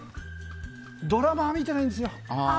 ドラマは見てないんですよ。